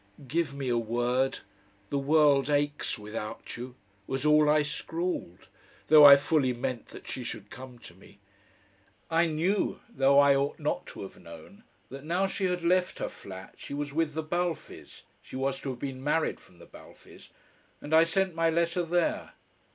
"Give me a word the world aches without you," was all I scrawled, though I fully meant that she should come to me. I knew, though I ought not to have known, that now she had left her flat, she was with the Balfes she was to have been married from the Balfes and I sent my letter there.